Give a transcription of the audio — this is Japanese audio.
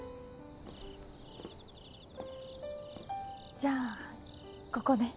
じゃあここで。